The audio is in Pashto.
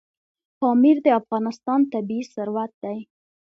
پامیر د افغانستان طبعي ثروت دی.